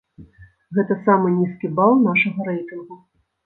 Гэта самы нізкі бал нашага рэйтынгу.